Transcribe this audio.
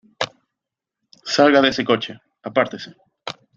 ¡ Salga de ese coche! ¡ apártese !